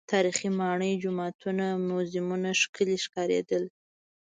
تاریخي ماڼۍ، جوماتونه، موزیمونه ښکلي ښکارېدل.